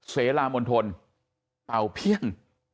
เสรลามนธรเป่าเพี้ยง